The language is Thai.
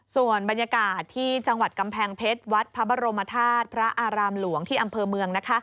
ส่วนบรรยากาศที่จังหวัดกำแพงเพชรวัดพระบรมธาตุพระอารามหลวงที่อำเภอเมือง